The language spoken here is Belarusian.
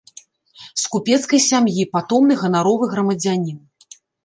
З купецкай сям'і, патомны ганаровы грамадзянін.